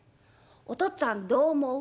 おとっつぁんどう思う？